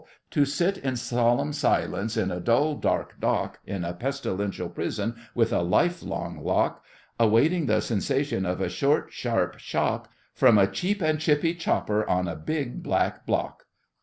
To sit in solemn silence in a dull, dark dock, In a pestilential prison, with a life long lock, Awaiting the sensation of a short, sharp shock, From a cheap and chippy chopper on a big black block!